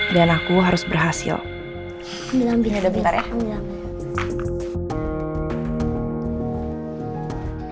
dan aku harus berhasil bilang bilang